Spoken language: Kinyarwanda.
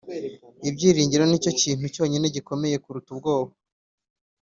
ibyiringiro nicyo kintu cyonyine gikomeye kuruta ubwoba.